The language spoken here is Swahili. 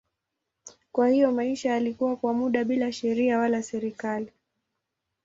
Kwa hiyo maisha yalikuwa kwa muda bila sheria wala serikali.